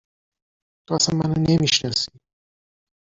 !تو اصلا منو نمی شناسی